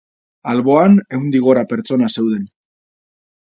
Alboan ehundik gora pertsona zeuden.